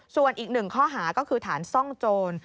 ส่วนอีกหนึ่งข้อหาก็คือฐานซ่องโจร